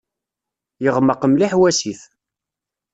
Yeɣmeq mliḥ wasif.